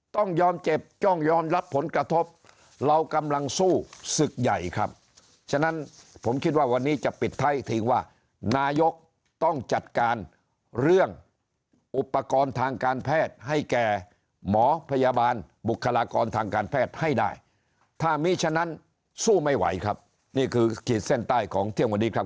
ต้องยอมเจ็บจ้องยอมรับผลกระทบเรากำลังสู้ศึกใหญ่ครับฉะนั้นผมคิดว่าวันนี้จะปิดท้ายทิ้งว่านายกต้องจัดการเรื่องอุปกรณ์ทางการแพทย์ให้แก่หมอพยาบาลบุคลากรทางการแพทย์ให้ได้ถ้ามีฉะนั้นสู้ไม่ไหวครับนี่คือขีดเส้นใต้ของเที่ยงวันนี้ครับ